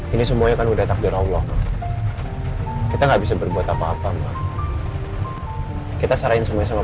ini semuanya kan udah takbir allah kita nggak bisa berbuat apa apa mbak kita sarahin semuanya sama